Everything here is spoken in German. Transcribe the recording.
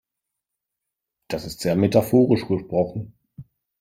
Das ist sehr metaphorisch gesprochen.